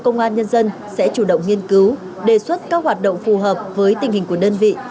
công an nhân dân sẽ chủ động nghiên cứu đề xuất các hoạt động phù hợp với tình hình của đơn vị